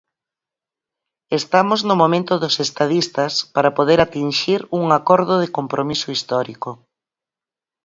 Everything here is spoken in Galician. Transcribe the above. "Estamos no momento dos estadistas" para poder atinxir un "acordo de compromiso histórico".